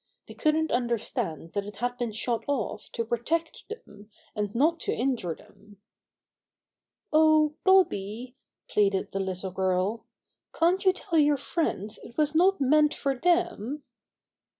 They couldn't understand that it had been shot off to protect them and not to injure them. ^^Oh, Bobby," pleaded the little girl, "can't you tell your friends it was not meant for them?"